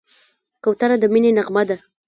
کوتره د مینې نغمه ده.